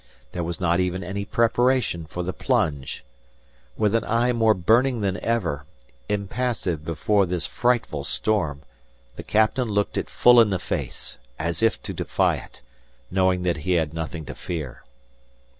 There was not even any preparation for the plunge. With an eye more burning than ever, impassive before this frightful storm, the captain looked it full in the face, as if to defy it, knowing that he had nothing to fear.